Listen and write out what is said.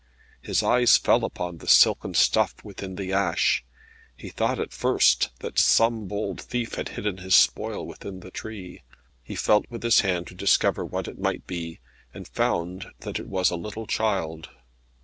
His eyes fell upon the silken stuff within the ash. He thought at first that some bold thief had hidden his spoil within the tree. He felt with his hand to discover what it might be, and found that it was a little child.